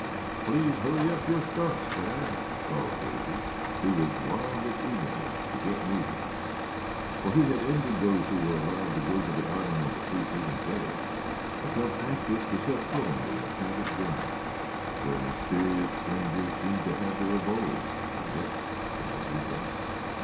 "Please hurry up your stumps, Thad!" called Davy, who was wild with eagerness to get moving; for he had envied those who were allowed to go to the island on the preceding day, and felt anxious to set foot on the enchanted ground, where mysterious strangers seemed to have their abode, yet could not be found.